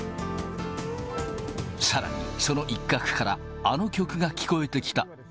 さらに、その一角から、あの曲が聴こえてきた。